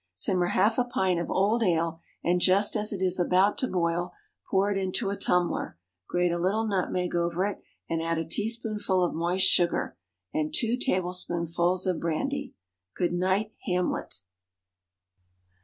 Simmer half a pint of old ale, and just as it is about to boil pour it into a tumbler, grate a little nutmeg over it, and add a teaspoonful of moist sugar, and two tablespoonfuls of brandy. Good night, Hamlet!